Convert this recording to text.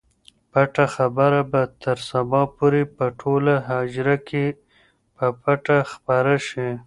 پټه خبره به تر سبا پورې په ټوله حجره کې په پټه خپره شي.